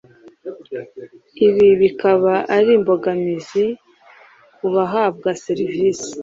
ibi bikaba ari imbogamizi kubahabwa serivisi